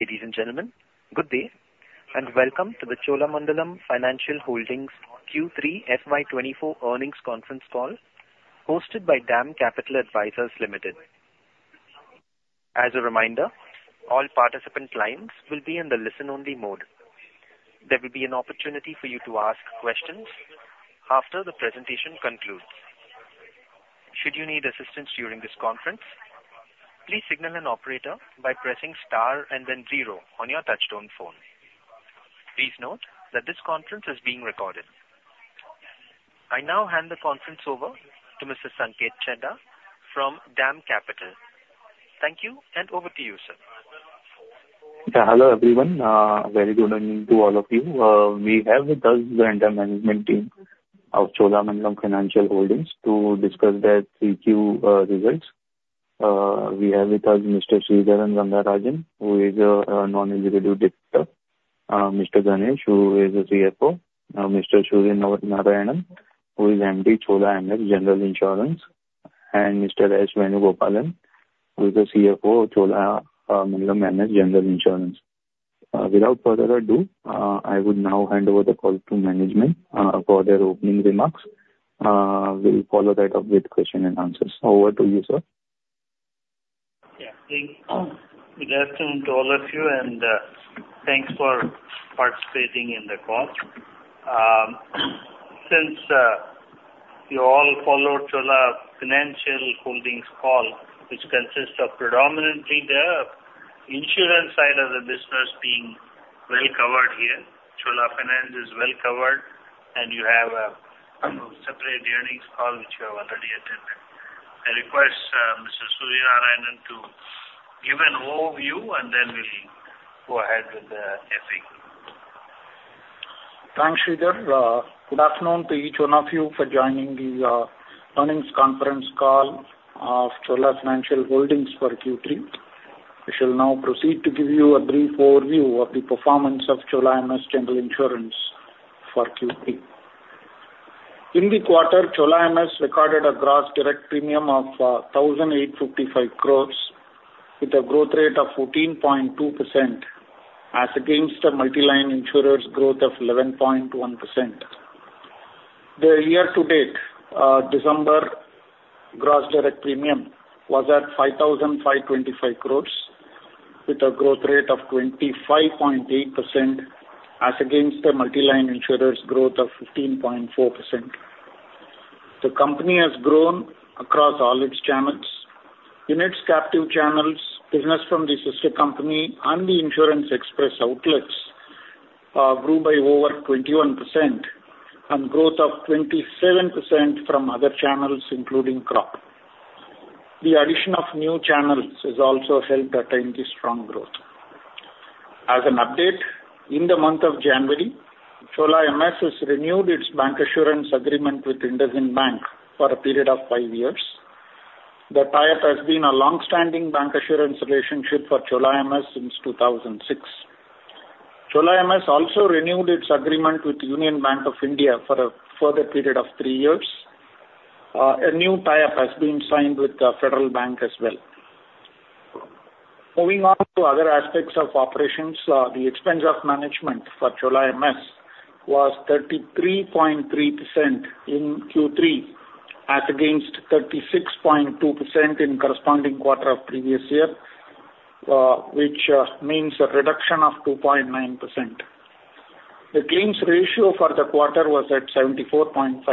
Ladies and gentlemen, good day, and welcome to the Cholamandalam Financial Holdings Q3 FY 2024 earnings conference call, hosted by DAM Capital Advisors Limited. As a reminder, all participant lines will be in the listen-only mode. There will be an opportunity for you to ask questions after the presentation concludes. Should you need assistance during this conference, please signal an operator by pressing star and then zero on your touchtone phone. Please note that this conference is being recorded. I now hand the conference over to Mr. Sanket Chheda from DAM Capital. Thank you, and over to you, sir. Hello, everyone. Very good morning to all of you. We have with us the management team of Cholamandalam Financial Holdings to discuss their Q3 results. We have with us Mr. Sridharan Rangarajan, who is a non-executive director, Mr. Ganesh, who is the CFO, Mr. Suryanarayanan, who is MD Chola MS General Insurance, and Mr. S. Venugopalan, who is the CFO of Cholamandalam MS General Insurance. Without further ado, I would now hand over the call to management for their opening remarks. We'll follow that up with question and answers. Over to you, sir. Yeah, thank you. Good afternoon to all of you, and thanks for participating in the call. Since you all follow Chola Financial Holdings call, which consists of predominantly the insurance side of the business being well covered here. Chola Finance is well covered, and you have a separate earnings call, which you have already attended. I request Mr. Suryanarayanan to give an overview, and then we'll go ahead with the FAQ. Thanks, Sridhar. Good afternoon to each one of you for joining the earnings conference call of Chola Financial Holdings for Q3. We shall now proceed to give you a brief overview of the performance of Chola MS General Insurance for Q3. In the quarter, Chola MS recorded a gross direct premium of 1,855 crore with a growth rate of 14.2% as against the multi-line insurers' growth of 11.1%. The year-to-date December gross direct premium was at 5,525 crore with a growth rate of 25.8% as against the multi-line insurers' growth of 15.4%. The company has grown across all its channels. In its captive channels, business from the sister company and the Insurance Express outlets grew by over 21% and growth of 27% from other channels, including crop. The addition of new channels has also helped attain this strong growth. As an update, in the month of January, Chola MS has renewed its bancassurance agreement with IndusInd Bank for a period of five years. The tie-up has been a long-standing bancassurance relationship for Chola MS since 2006. Chola MS also renewed its agreement with Union Bank of India for a further period of three years. A new tie-up has been signed with the Federal Bank as well. Moving on to other aspects of operations, the expense of management for Chola MS was 33.3% in Q3, as against 36.2% in corresponding quarter of previous year, which means a reduction of 2.9%. The claims ratio for the quarter was at 74.5%,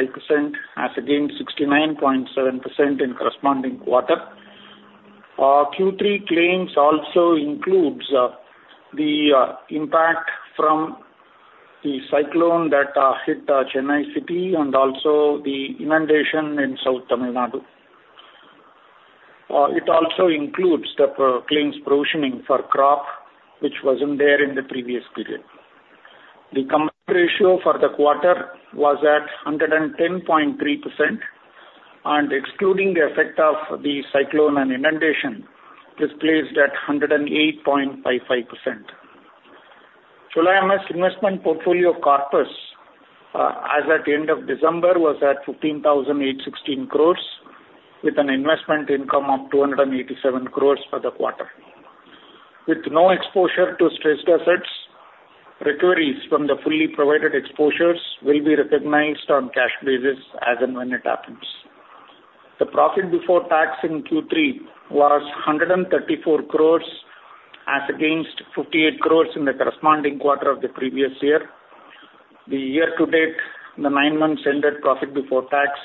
as against 69.7% in corresponding quarter. Q3 claims also includes the impact from the cyclone that hit the Chennai city and also the inundation in South Tamil Nadu. It also includes the claims provisioning for crop, which wasn't there in the previous period. The combined ratio for the quarter was at 110.3%, and excluding the effect of the cyclone and inundation, this placed at 108.55%. Chola MS investment portfolio corpus, as at the end of December, was at 15,816 crores, with an investment income of 287 crores for the quarter. With no exposure to stressed assets, recoveries from the fully provided exposures will be recognized on cash basis as and when it happens. The profit before tax in Q3 was 134 crores, as against 58 crores in the corresponding quarter of the previous year. The year to date, the nine months ended profit before tax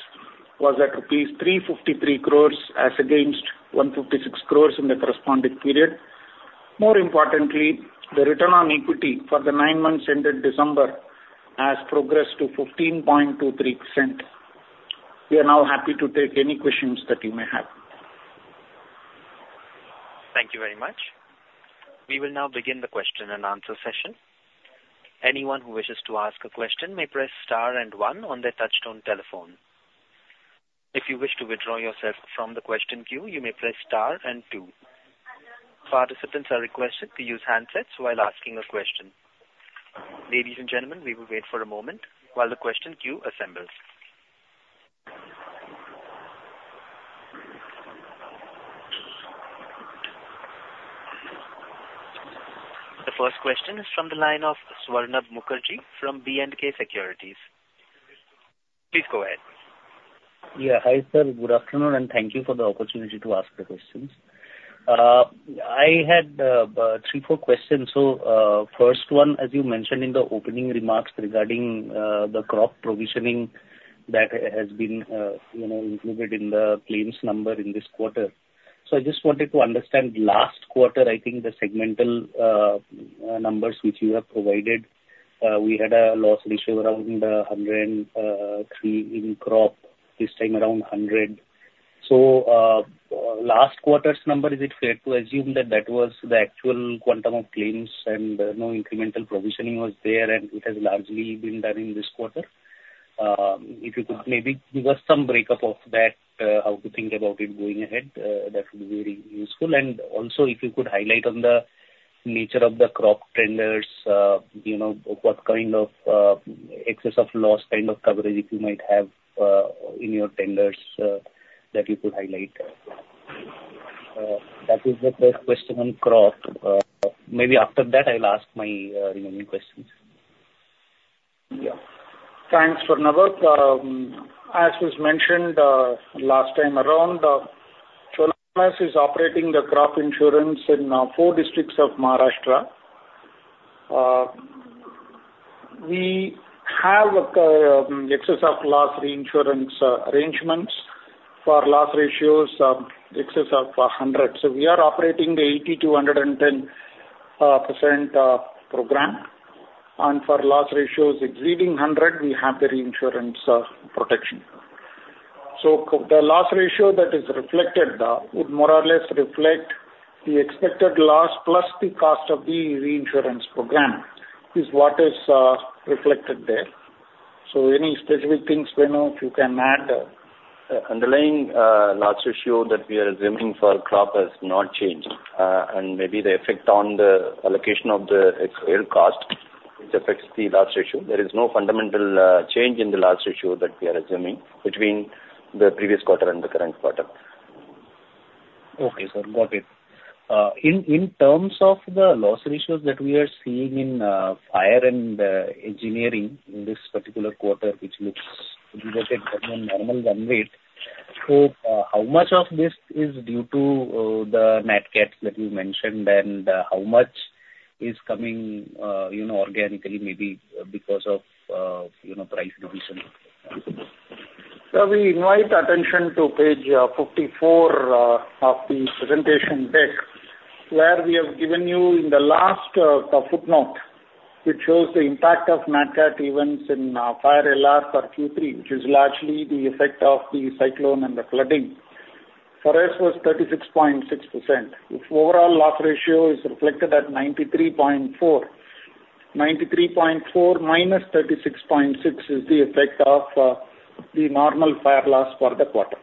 was at rupees 353 crores, as against 156 crores in the corresponding period. More importantly, the return on equity for the nine months ended December has progressed to 15.23%. We are now happy to take any questions that you may have. Thank you very much. We will now begin the question and answer session. Anyone who wishes to ask a question may press star and one on their touchtone telephone. If you wish to withdraw yourself from the question queue, you may press star and two. Participants are requested to use handsets while asking a question. Ladies and gentlemen, we will wait for a moment while the question queue assembles … The first question is from the line of Swarnab Mukherjee from B&K Securities. Please go ahead. Yeah. Hi, sir. Good afternoon, and thank you for the opportunity to ask the questions. I had three, four questions. So, first one, as you mentioned in the opening remarks regarding the crop provisioning that has been, you know, included in the claims number in this quarter. So I just wanted to understand, last quarter, I think the segmental numbers which you have provided, we had a loss ratio around 103 in crop, this time around 100. So, last quarter's number, is it fair to assume that that was the actual quantum of claims and no incremental provisioning was there, and it has largely been done in this quarter? If you could maybe give us some breakup of that, how to think about it going ahead, that would be very useful. Also, if you could highlight on the nature of the crop tenders, you know, what kind of Excess of Loss kind of coverage you might have in your tenders that you could highlight. That is the first question on crop. Maybe after that, I will ask my remaining questions. Yeah. Thanks, Swarnab. As was mentioned, last time around, Chola MS is operating the crop insurance in four districts of Maharashtra. We have a excess of loss reinsurance arrangements for loss ratios of excess of 100. So we are operating the 80%-110% program, and for loss ratios exceeding 100, we have the reinsurance protection. So the loss ratio that is reflected would more or less reflect the expected loss, plus the cost of the reinsurance program, is what is reflected there. So any specific things, Venu, if you can add? Underlying loss ratio that we are assuming for crop has not changed, and maybe the effect on the allocation of the XOL cost. It affects the loss ratio. There is no fundamental change in the loss ratio that we are assuming between the previous quarter and the current quarter. Okay, sir. Got it. In terms of the loss ratios that we are seeing in fire and engineering in this particular quarter, which looks elevated than the normal run rate. So, how much of this is due to the Nat Cats that you mentioned, and how much is coming, you know, organically, maybe because of, you know, price revision? So we invite attention to page 54 of the presentation deck, where we have given you in the last footnote, which shows the impact of Nat Cat events in fire LR for Q3, which is largely the effect of the cyclone and the flooding. For us, was 36.6%. If overall loss ratio is reflected at 93.4, 93.4 -36.6 is the effect of the normal fire loss for the quarter.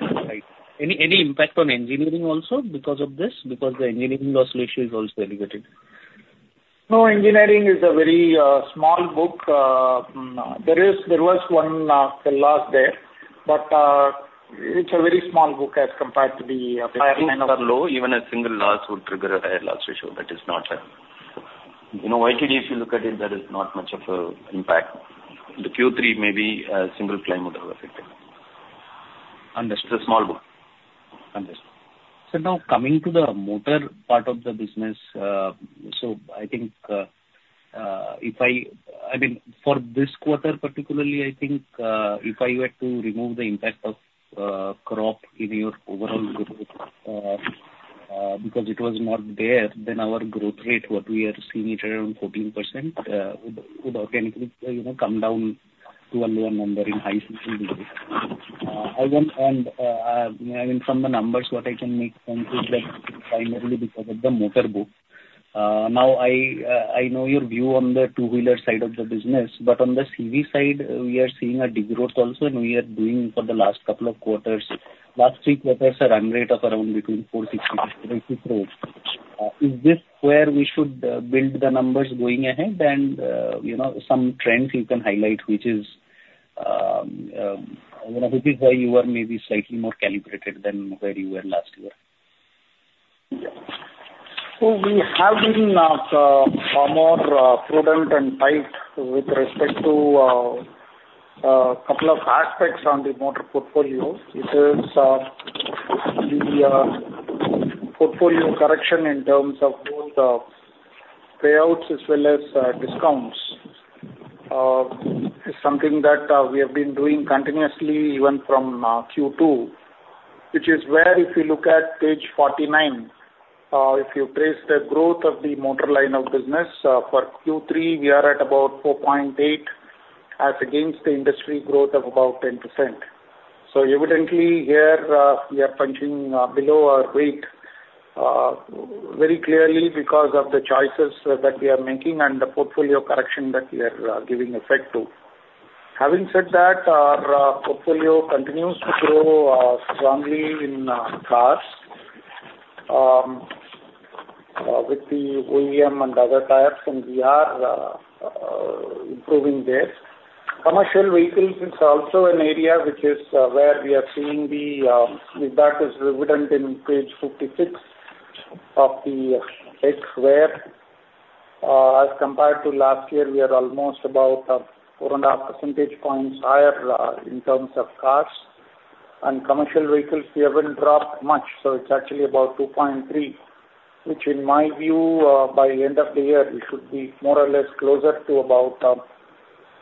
Right. Any impact on engineering also because of this? Because the engineering loss ratio is also elevated. No, engineering is a very small book. There was one loss there, but it's a very small book as compared to the- Fires are low. Even a single loss would trigger a higher loss ratio. That is not... You know, YTD, if you look at it, there is not much of an impact. The Q3 may be a single claim would have affected. Understood. It's a small book. Understood. So now, coming to the motor part of the business, so I think, if I—I mean, for this quarter particularly, I think, if I were to remove the impact of crop in your overall growth, because it was not there, then our growth rate, what we are seeing it around 14%, would organically, you know, come down to a lower number in high season. I want, and, I mean, from the numbers, what I can make sense is that primarily because of the motor book. Now, I know your view on the two-wheeler side of the business, but on the CV side, we are seeing a degrowth also, and we are doing for the last couple of quarters. Last three quarters, a run rate of around between 4-6. Is this where we should build the numbers going ahead? And, you know, some trends you can highlight, which is, you know, which is why you are maybe slightly more calibrated than where you were last year. Yeah. So we have been more prudent and tight with respect to couple of aspects on the motor portfolio. This is the portfolio correction in terms of both payouts as well as discounts. Is something that we have been doing continuously, even from Q2, which is where, if you look at page 49, if you trace the growth of the motor line of business, for Q3, we are at about 4.8, as against the industry growth of about 10%. So evidently, here, we are punching below our weight very clearly because of the choices that we are making and the portfolio correction that we are giving effect to. Having said that, our portfolio continues to grow strongly in cars. with the OEM and other tie-ups, and we are improving this. Commercial vehicles is also an area which is where we are seeing that is evident in page 56 of the deck where, as compared to last year, we are almost about 4.5 percentage points higher in terms of cars. And commercial vehicles, we haven't dropped much, so it's actually about 2.3, which in my view, by the end of the year, it should be more or less closer to about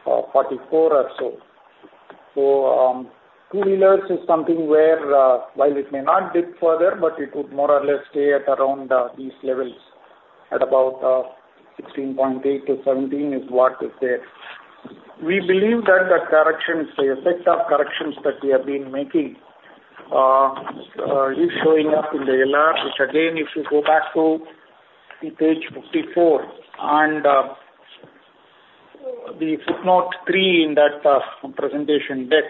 44 or so. So, two-wheelers is something where while it may not dip further, but it would more or less stay at around these levels, at about 16.8-17 is what is there. We believe that the corrections, the effect of corrections that we have been making, is showing up in the LR, which again, if you go back to page 54 and, the footnote three in that, presentation deck,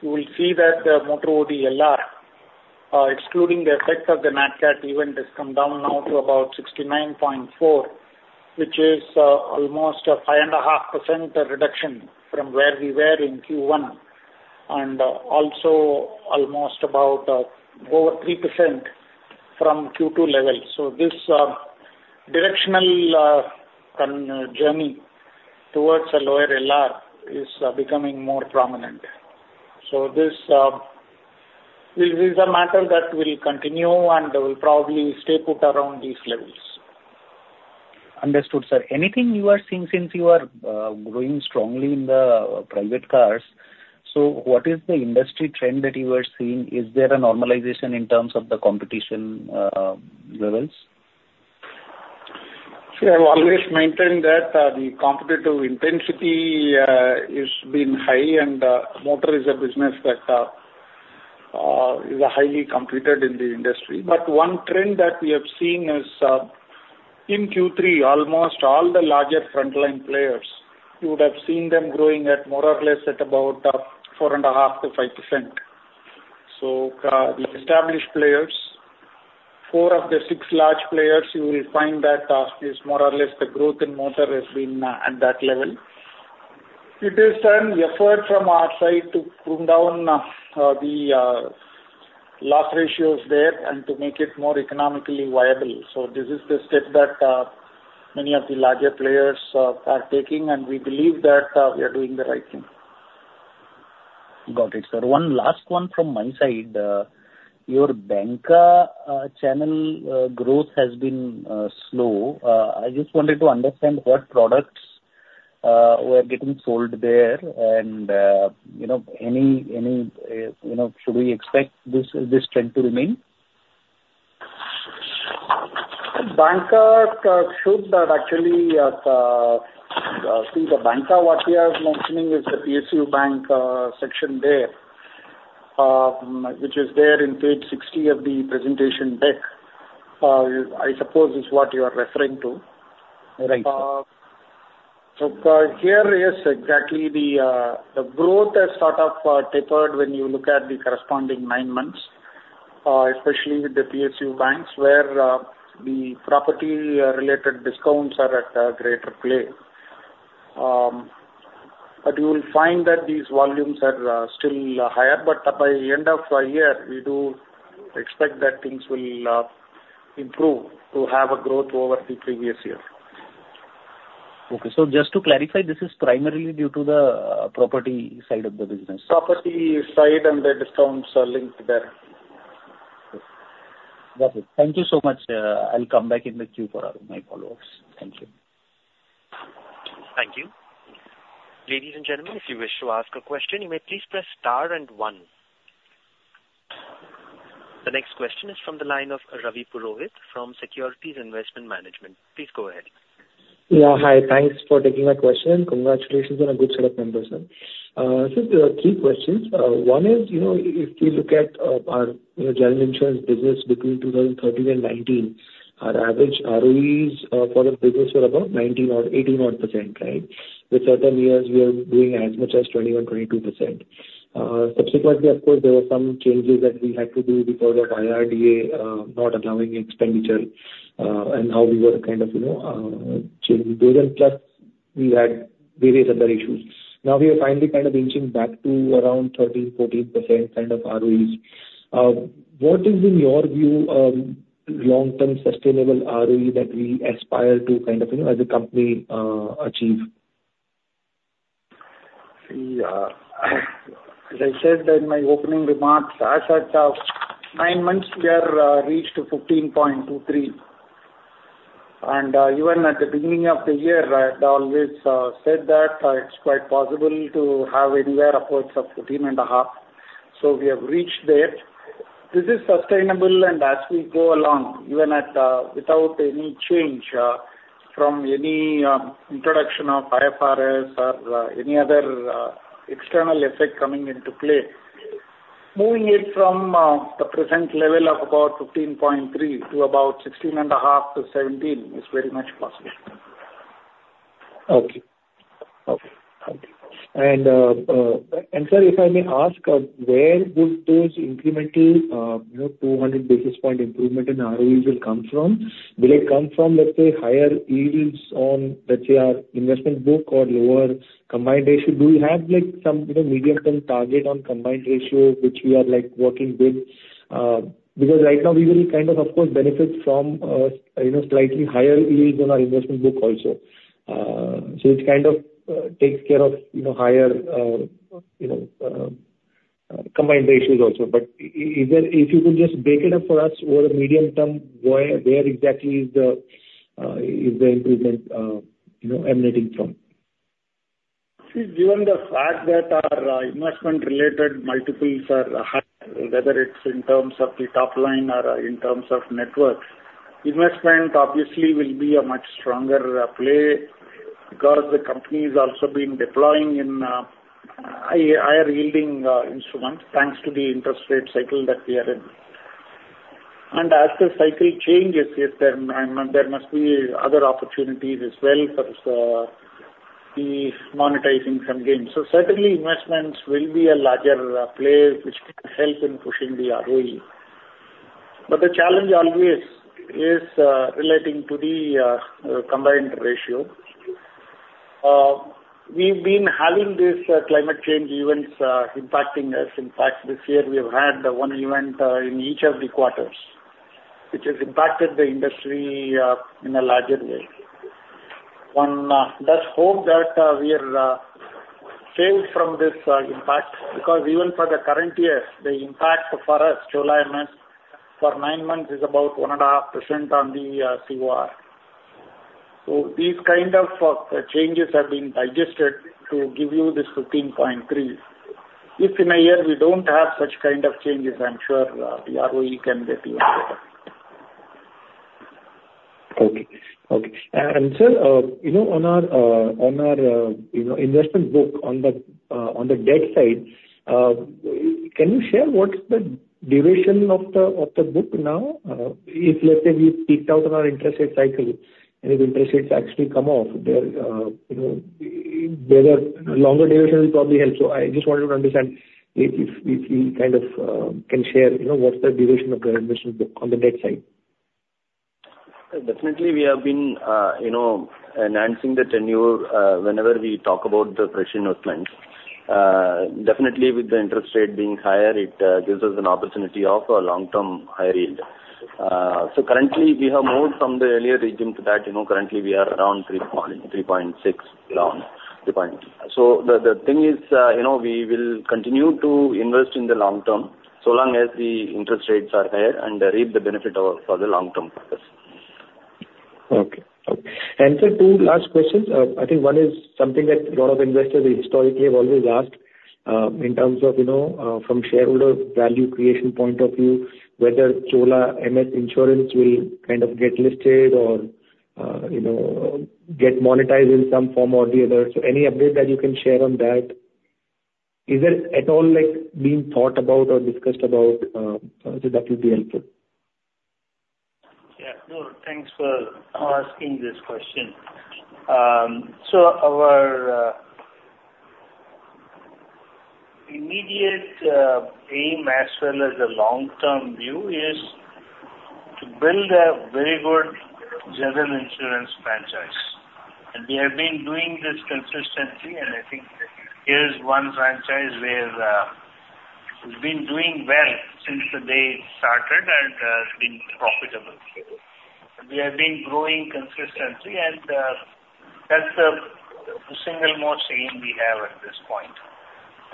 you will see that the Motor OD LR, excluding the effect of the Nat Cat event, has come down now to about 69.4, which is, almost a 5.5% reduction from where we were in Q1, and, also almost about, over 3% from Q2 levels. So this, directional, journey towards a lower LR is becoming more prominent. So this, this is a matter that will continue, and will probably stay put around these levels. Understood, sir. Anything you are seeing since you are growing strongly in the private cars, so what is the industry trend that you are seeing? Is there a normalization in terms of the competition levels? See, I've always maintained that the competitive intensity has been high, and motor is a business that is highly competed in the industry. But one trend that we have seen is, in Q3, almost all the larger frontline players, you would have seen them growing at more or less at about 4.5%-5%. So the established players, four of the six large players, you will find that is more or less the growth in motor has been at that level. It is an effort from our side to prune down the loss ratios there and to make it more economically viable. So this is the step that many of the larger players are taking, and we believe that we are doing the right thing. Got it, sir. One last one from my side. Your Banca channel growth has been slow. I just wanted to understand what products were getting sold there and, you know, any you know, should we expect this trend to remain? Banca, showed that actually, see, the Banca, what we are mentioning is the PSU bank section there, which is there in page 60 of the presentation deck. I suppose it's what you are referring to. Right. So, here, yes, exactly, the growth has sort of tapered when you look at the corresponding nine months, especially with the PSU banks, where the property related discounts are at a greater play. But you will find that these volumes are still higher, but by end of the year, we do expect that things will improve to have a growth over the previous year. Okay. So just to clarify, this is primarily due to the property side of the business? Property side and the discounts are linked there. Got it. Thank you so much. I'll come back in the queue for other, my follow-ups. Thank you. Thank you. Ladies and gentlemen, if you wish to ask a question, you may please press star and one. The next question is from the line of Ravi Purohit from Securities Investment Management. Please go ahead. Yeah, hi. Thanks for taking my question. Congratulations on a good set of numbers, sir. So there are three questions. One is, you know, if we look at our, you know, general insurance business between 2013 and 2019, our average ROEs for the business were above 19 or 18-odd %, right? With certain years, we are doing as much as 21, 22%. Subsequently, of course, there were some changes that we had to do because of IRDA not allowing expenditure, and how we were kind of, you know... plus, we had various other issues. Now, we are finally kind of inching back to around 13, 14% kind of ROEs. What is, in your view, long-term sustainable ROE that we aspire to, kind of, you know, as a company, achieve? See, as I said in my opening remarks, as at nine months, we are reached to 15.23. Even at the beginning of the year, I had always said that it's quite possible to have anywhere upwards of 13.5. We have reached there. This is sustainable, and as we go along, even at without any change from any introduction of IFRS or any other external effect coming into play, moving it from the present level of about 15.3 to about 16.5 to 17 is very much possible.... Okay. Okay, okay. And sir, if I may ask, where would those incremental, you know, 200 basis point improvement in ROE come from? Will it come from, let's say, higher yields on the CR investment book or lower combined ratio? Do you have, like, some, you know, medium-term target on combined ratio, which we are, like, working with? Because right now, we will kind of, of course, benefit from, you know, slightly higher yields on our investment book also. So it kind of takes care of, you know, higher, you know, combined ratios also. But either if you could just break it up for us over medium term, where exactly is the improvement, you know, emanating from? See, given the fact that our investment-related multiples are high, whether it's in terms of the top line or in terms of networks, investment obviously will be a much stronger play because the company has also been deploying in higher yielding instruments, thanks to the interest rate cycle that we are in. And as the cycle changes, yes, there must be other opportunities as well for us be monetizing some gains. So certainly, investments will be a larger play which can help in pushing the ROE. But the challenge always is relating to the combined ratio. We've been having this climate change events impacting us. In fact, this year we have had one event in each of the quarters, which has impacted the industry in a larger way. One does hope that we are saved from this impact, because even for the current year, the impact for us, Chola MS, for nine months is about 1.5% on the COR. So these kind of changes have been digested to give you this 15.3. If in a year we don't have such kind of changes, I'm sure the ROE can get even better. Okay. Okay. And, sir, you know, on our, on our, you know, investment book, on the, on the debt side, can you share what's the duration of the, of the book now? If, let's say, we peaked out on our interest rate cycle, and if interest rates actually come off there, you know, better, longer duration will probably help. So I just wanted to understand if you kind of can share, you know, what's the duration of the investment book on the debt side. Definitely we have been, you know, enhancing the tenure, whenever we talk about the fresh investments. Definitely with the interest rate being higher, it gives us an opportunity of a long-term higher yield. So currently, we have moved from the earlier region to that, you know, currently we are around 3.6. So the thing is, you know, we will continue to invest in the long term, so long as the interest rates are higher and reap the benefit of for the long term purpose. Okay. Okay. And sir, two last questions. I think one is something that a lot of investors historically have always asked, in terms of, you know, from shareholder value creation point of view, whether Chola MS Insurance will kind of get listed or, you know, get monetized in some form or the other. So any update that you can share on that? Is it at all, like, being thought about or discussed about, sir, that would be helpful. Yeah, no, thanks for asking this question. So our immediate aim as well as the long-term view is to build a very good general insurance franchise. We have been doing this consistently, and I think here is one franchise where it's been doing well since the day it started and it's been profitable. We have been growing consistently, and that's the single most aim we have at this point.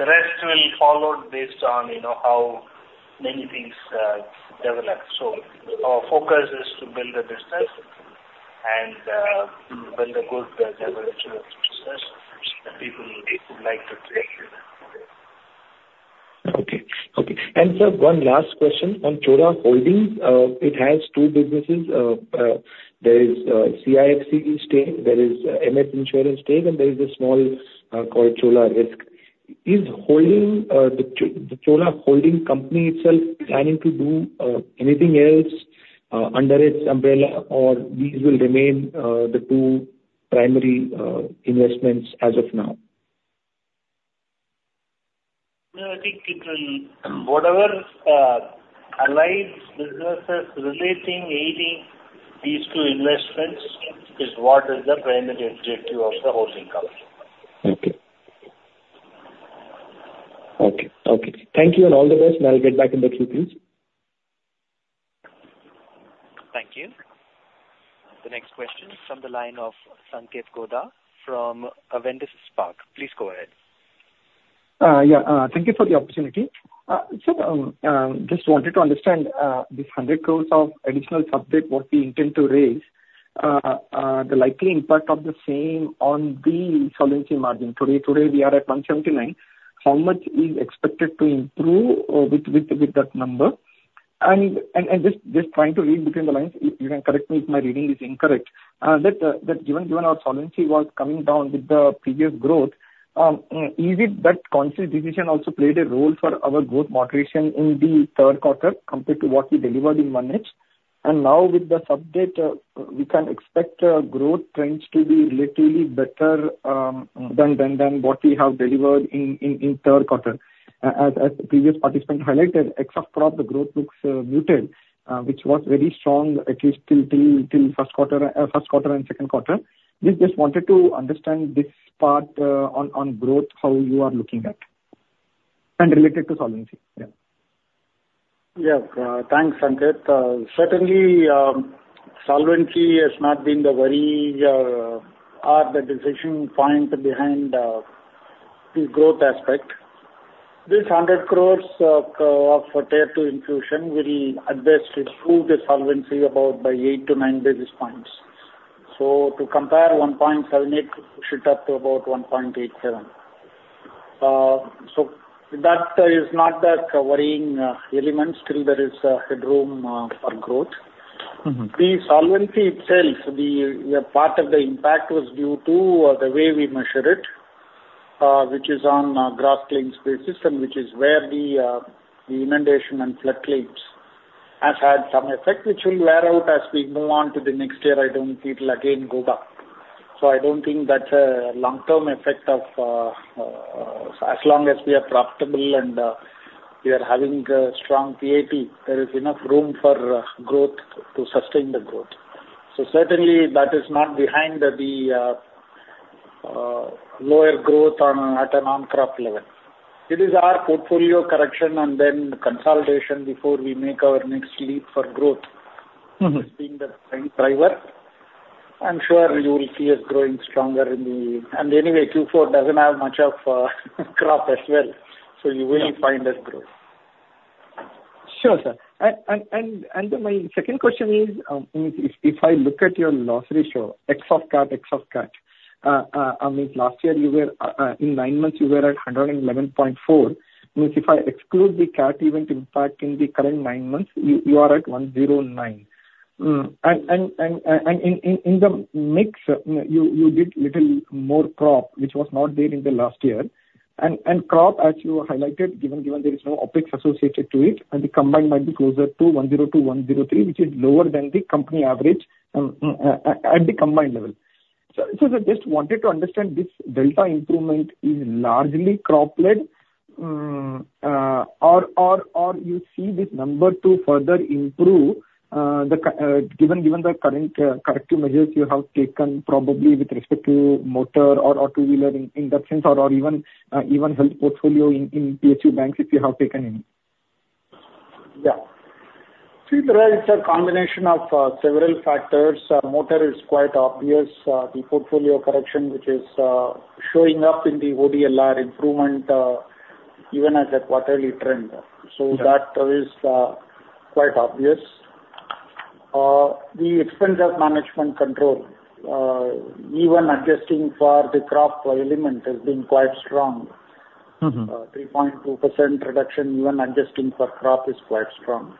The rest will follow based on, you know, how many things develop. Our focus is to build the business and build a good general insurance business that people would like to take. Okay. Okay. And sir, one last question on Chola Holdings. It has two businesses. There is CIFC stake, there is MS Insurance stake, and there is a small called Chola Risk. Is holding the Chola Holding company itself planning to do anything else under its umbrella, or these will remain the two primary investments as of now? No, I think it will. Whatever, allies, businesses relating, aiding these two investments is what is the primary objective of the holding company. Okay. Okay, okay. Thank you and all the best, and I'll get back in the queue, please. Thank you. The next question is from the line of Sanket Godha from Avendus Spark. Please go ahead. Yeah, thank you for the opportunity. So, just wanted to understand this 100 crore of additional sub debt what we intend to raise, the likely impact of the same on the solvency margin. Today, we are at 179. How much is expected to improve with that number? And just trying to read between the lines, you can correct me if my reading is incorrect, that given our solvency was coming down with the previous growth, is it that conscious decision also played a role for our growth moderation in the third quarter compared to what we delivered in Q1? And now with the sub debt, we can expect growth trends to be relatively better than what we have delivered in third quarter. As the previous participant highlighted, ex-crop, the growth looks muted, which was very strong, at least till first quarter and second quarter. Just wanted to understand this part, on growth, how you are looking at, and related to solvency. Yeah. Yes. Thanks, Sanketh. Certainly, solvency has not been the worry or the decision point behind the growth aspect. 100 crore for Tier II inclusion will adjust it through the solvency about by 8-9 basis points. So to compare 1.78, push it up to about 1.87. So that is not that worrying element. Still there is headroom for growth. Mm-hmm. The solvency itself, part of the impact was due to the way we measure it, which is on a gross claims paid system, which is where the inundation and flood claims has had some effect, which will wear out as we move on to the next year. I don't think it'll again go down. So I don't think that's a long-term effect of, as long as we are profitable and, we are having a strong PAT, there is enough room for growth to sustain the growth. So certainly that is not behind the lower growth at a non-crop level. It is our portfolio correction and then consolidation before we make our next leap for growth. Mm-hmm. -being the prime driver. I'm sure you will see us growing stronger in the... And anyway, Q4 doesn't have much of crop as well, so you will find us growing. Sure, sir. My second question is, if I look at your loss ratio, ex of CAT, ex of CAT, I mean, last year you were, in nine months you were at 111.4. Means if I exclude the CAT event impact in the current nine months, you are at 109. In the mix, you did little more crop, which was not there in the last year. Crop, as you highlighted, given there is no OpEx associated to it, and the combined might be closer to 102, 103, which is lower than the company average, at the combined level. I just wanted to understand this delta improvement is largely crop-led, or you see this number to further improve, given the current corrective measures you have taken, probably with respect to motor or two-wheeler in that sense, or even health portfolio in PHU banks, if you have taken any? Yeah. See, there is a combination of several factors. Motor is quite obvious. The portfolio correction, which is showing up in the ODLR improvement, even as a quarterly trend. So that is quite obvious. The Expense of Management control, even adjusting for the crop element, has been quite strong. Mm-hmm. 3.2% reduction, even adjusting for crop, is quite strong.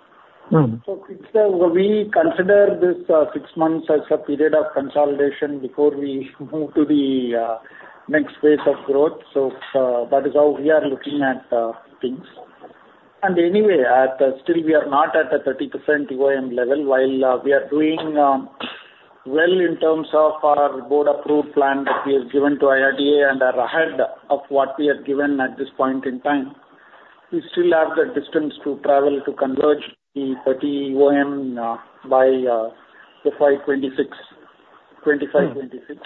Mm. So we consider this six months as a period of consolidation before we move to the next phase of growth. So that is how we are looking at things. And anyway, still we are not at a 30% EOM level. While we are doing well in terms of our board-approved plan that we have given to IRDA and are ahead of what we have given at this point in time, we still have the distance to travel to converge the 30 EOM by FY 2026, 2025, 2026. Mm.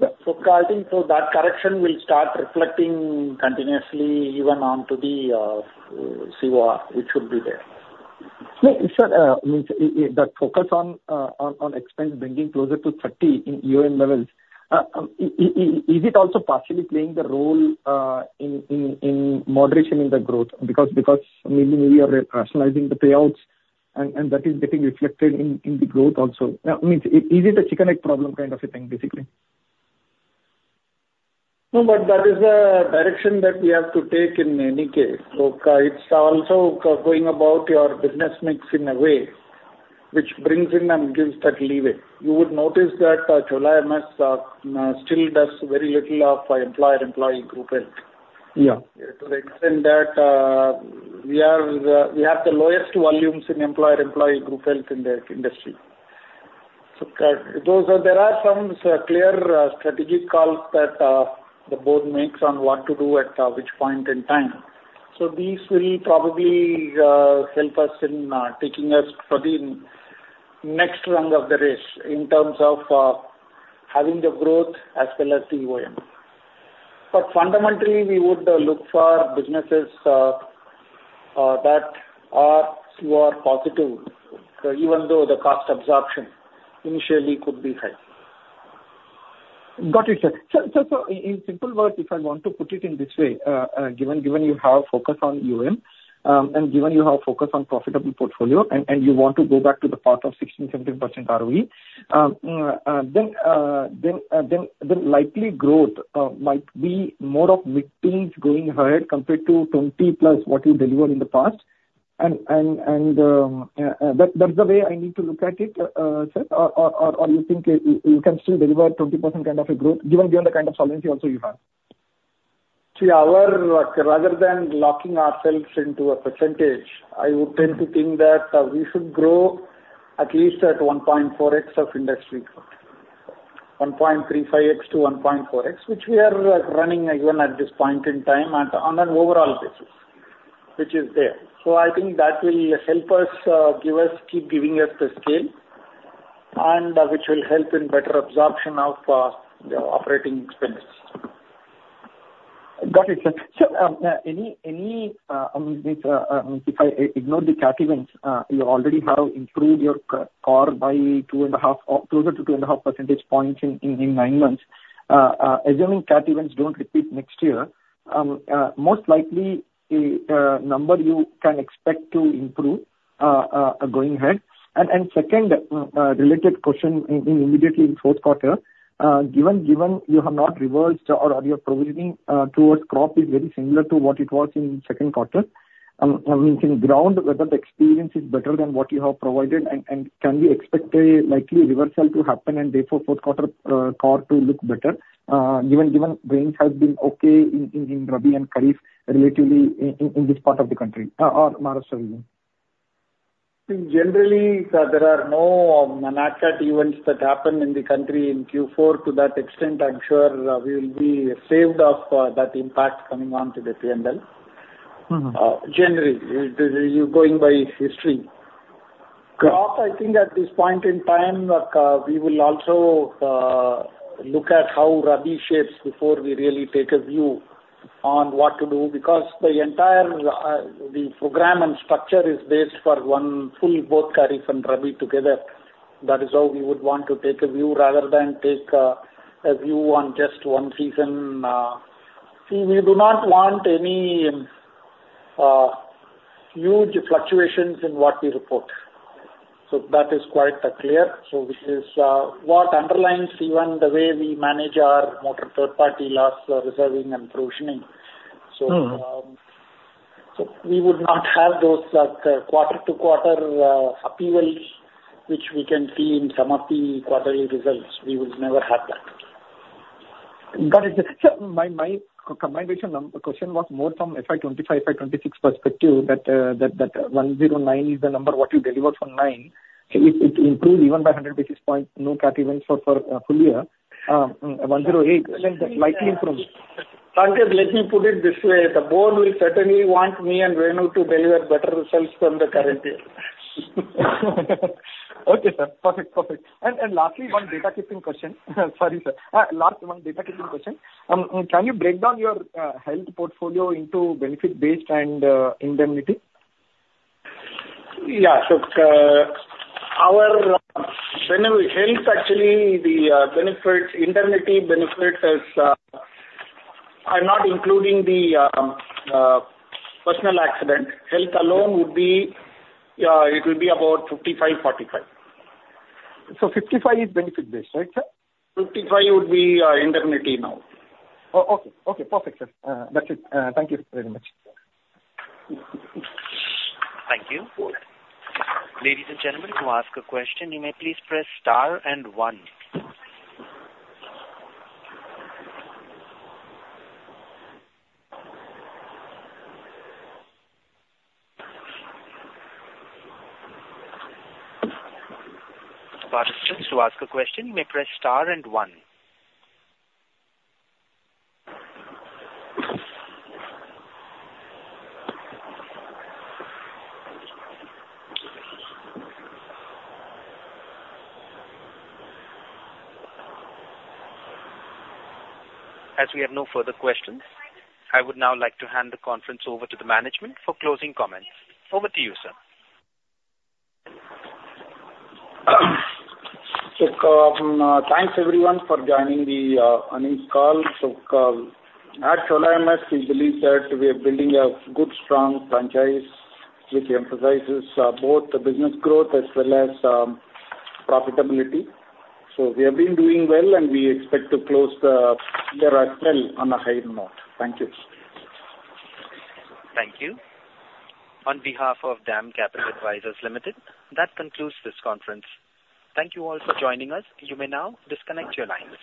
So I think so that correction will start reflecting continuously even on to the COR, which should be there. Sir, I mean, if the focus on expense bringing closer to 30 in EOM levels, is it also partially playing the role in moderation in the growth? Because maybe we are rationalizing the payouts and that is getting reflected in the growth also. I mean, is it a chicken-egg problem kind of a thing, basically? No, but that is the direction that we have to take in any case. So, it's also going about your business mix in a way which brings in and gives that leeway. You would notice that Chola MS still does very little of employer-employee group health. Yeah. To the extent that, we have, we have the lowest volumes in employer-employee group health in the industry. So, there are some clear strategic calls that the board makes on what to do at which point in time. So these will probably help us in taking us to the next rung of the race in terms of having the growth as well as the EOM. But fundamentally, we would look for businesses that are COR positive, even though the cost absorption initially could be high. Got it, sir. So in simple words, if I want to put it in this way, given you have focus on EOM, and given you have focus on profitable portfolio, and you want to go back to the path of 16%, 17% ROE, then likely growth might be more of mid-teens going ahead, compared to 20+ what you delivered in the past. And that's the way I need to look at it, sir? Or you think you can still deliver 20% kind of a growth, given the kind of solvency also you have? See, our, rather than locking ourselves into a percentage, I would tend to think that, we should grow at least at 1.4x of industry growth. 1.35x-1.4x, which we are running even at this point in time at, on an overall basis, which is there. So I think that will help us, give us, keep giving us the scale and which will help in better absorption of, the operating expense. Got it, sir. So, if I ignore the CAT events, you already have improved your core by 2.5, 2-2.5 percentage points in nine months. Assuming CAT events don't repeat next year, most likely, the number you can expect to improve going ahead. Second, related question: immediately in fourth quarter, given you have not reversed or your provisioning towards crop is very similar to what it was in second quarter, I mean, on ground, whether the experience is better than what you have provided, and can we expect a likely reversal to happen and therefore fourth quarter core to look better, given rains have been okay in Rabi and Kharif, relatively, in this part of the country, or Maharashtra region? Generally, sir, there are no natural events that happen in the country in Q4. To that extent, I'm sure we will be saved of, that impact coming on to the P&L. Mm-hmm. Generally, going by history. Got it. Also, I think at this point in time, we will also look at how Rabi shapes before we really take a view on what to do, because the entire, the program and structure is based for one full, both Kharif and Rabi together. That is how we would want to take a view, rather than take a, a view on just one season. See, we do not want any huge fluctuations in what we report. So that is quite clear. So this is what underlines even the way we manage our motor third party loss reserving and provisioning. Mm. We would not have those, like, quarter-to-quarter upheaval, which we can see in some of the quarterly results. We would never have that. Got it. Sir, my combination question was more from FY 2025, FY 2026 perspective, that 109 is the number what you delivered from nine. If it improved even by 100 basis point, no cat events for a full year, 108, like, slightly improved. Sanket, let me put it this way: the board will certainly want me and Venu to deliver better results from the current year. Okay, sir. Perfect. Perfect. And lastly, one data keeping question. Sorry, sir. Last one, data keeping question. Can you break down your health portfolio into benefit-based and indemnity? Yeah. So, our, when health actually the benefits, indemnity benefits is, are not including the personal accident. Health alone would be, it would be about 55-45. So 55 is benefit based, right, sir? 55 would be indemnity now. Oh, okay. Okay, perfect, sir. That's it. Thank you very much. Thank you. Ladies and gentlemen, to ask a question, you may please press star and one. Participants, to ask a question, you may press star and one. As we have no further questions, I would now like to hand the conference over to the management for closing comments. Over to you, sir. Thanks, everyone, for joining the earnings call. At Chola MS, we believe that we are building a good, strong franchise, which emphasizes both the business growth as well as profitability. We have been doing well, and we expect to close the year as well on a high note. Thank you. Thank you. On behalf of DAM Capital Advisors Limited, that concludes this conference. Thank you all for joining us. You may now disconnect your lines.